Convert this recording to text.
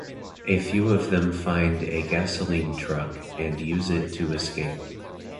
A few of them find a gasoline truck, and use it to escape.